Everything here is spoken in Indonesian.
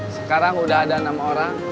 sekarang udah ada enam orang